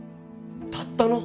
たったの！？